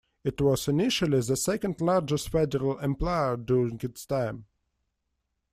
It was initially the second largest federal employer during its time.